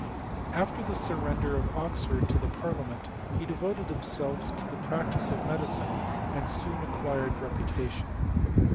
After the surrender of Oxford to the par fiament, he devoted himself to the practice of medi cine, and soon acquired reputation.